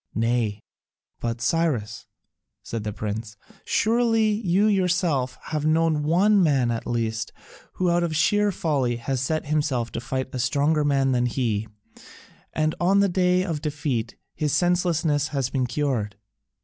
"Nay, but, Cyrus," said the prince, "surely you yourself have known one man at least who out of sheer folly has set himself to fight a stronger man than he, and on the day of defeat his senselessness has been cured.